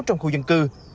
trong khu dân cư